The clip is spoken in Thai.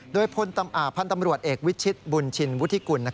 โดยพันธ์ตำรวจเอกวิชิตบุญชินวุฒิกุล